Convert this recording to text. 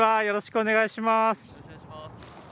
よろしくお願いします。